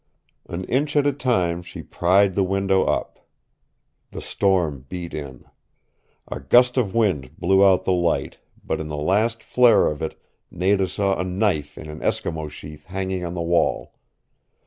An inch at a time she pried the window up. The storm beat in. A gust of wind blew out the light, but in the last flare of it Nada saw a knife in an Eskimo sheath hanging on the wall.